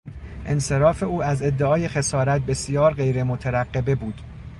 انصراف او از ادعای خسارت بسیار غیر مترقبه بود.